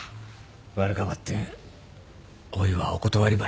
悪かばってんおいはお断りばい。